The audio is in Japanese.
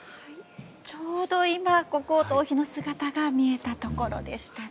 ちょうど今国王と王妃の姿が見えたところでしたね。